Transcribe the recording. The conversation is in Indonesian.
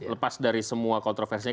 lepas dari semua kontroversinya